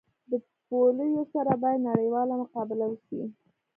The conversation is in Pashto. د پولیو سره باید نړیواله مقابله وسي